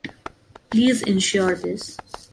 Please insure this.